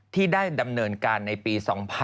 ที่ได้ดำเนินการในปี๒๕๖๒